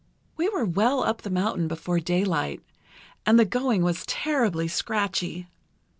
"We were well up the mountain before daylight, and the going was terribly scratchy.